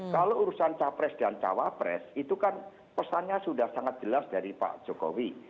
kalau urusan capres dan cawapres itu kan pesannya sudah sangat jelas dari pak jokowi